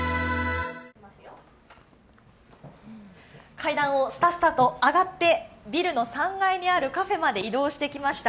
階段をすたすたと上がってビルの３階にあるカフェまで移動してきました。